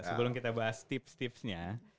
sebelum kita bahas tips tips nya